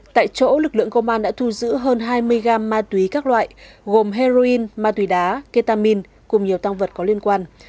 tại chỗ lực lượng công an đã thu giữ hơn hai mươi gam ma túy các loại gồm heroin ma túy đá ketamin cùng nhiều tăng vật có liên quan